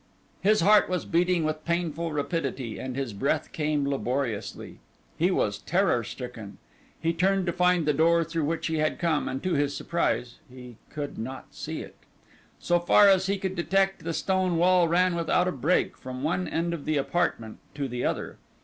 His heart was beating with painful rapidity and his breath came laboriously. He was terror stricken. He turned to find the door through which he had come, and to his surprise he could not see it. So far as he could detect, the stone wall ran without a break from one end of the apartment to the other.